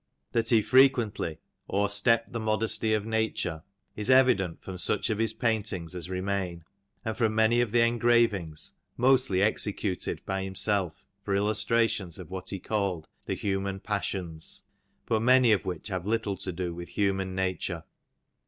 That he frequently " o'er stepped the modesty of nature," is evident from such of his paintings as remain, and from many of the engravings, mostly executed by himself for illustrations of what he called "The Human Passions," but many of which have little to do with human nature.